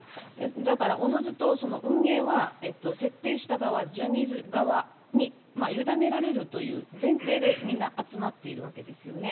ですからおのずと運営は設定した側、ジャニーズ側に委ねられるという前提でみんな集まっているわけですよね。